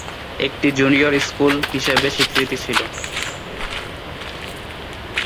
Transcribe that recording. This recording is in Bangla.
একটি জুনিয়র স্কুল হিসাবে স্বীকৃত ছিল।